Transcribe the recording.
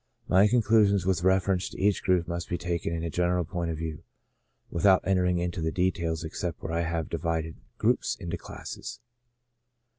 My conclusions with reference to each group must be taken in a general point of view, without entering into the details, except where I have divided groups into classes.